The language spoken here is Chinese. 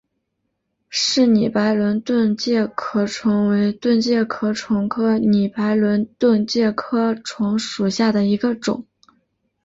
柿拟白轮盾介壳虫为盾介壳虫科拟白轮盾介壳虫属下的一个种。